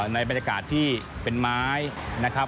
ในบรรยากาศที่เป็นไม้นะครับ